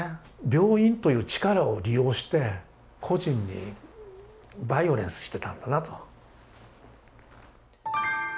病院という「力」を利用して個人にバイオレンスしてたんだなと。